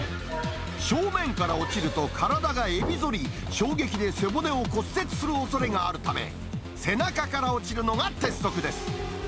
正面から落ちると体がえびぞり、衝撃で背骨を骨折するおそれがあるため、背中から落ちるのが鉄則です。